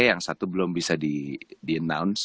yang satu belum bisa di announce